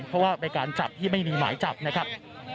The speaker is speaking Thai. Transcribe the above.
เพราะว่าเป็นการจับที่ไม่มีหมายจับนะครับ